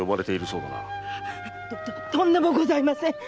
とんでもございません。